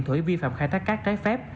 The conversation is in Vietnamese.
thổi vi phạm khai thác cát trái phép